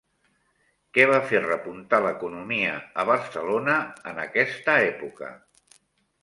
Què va fer repuntar l'economia a Barcelona en aquesta època?